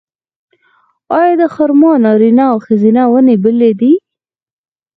آیا د خرما نارینه او ښځینه ونې بیلې دي؟